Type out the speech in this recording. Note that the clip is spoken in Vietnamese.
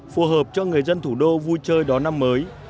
phù hợp cho người dân thủ đô vui chơi đón năm mới